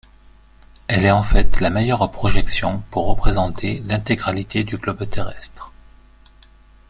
Elle est en fait la meilleure projection pour représenter l'intégralité du globe terrestre.